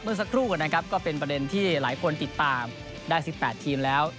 เมื่อสักครู่กันนะครับก็เป็นประเด็นที่หลายคนติดตามได้สิบแปดทีมแล้ว